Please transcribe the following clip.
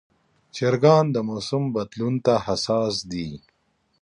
چرګان د موسم بدلون ته حساس دي.